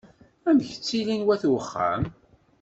Amek ttilin wayt uxxam?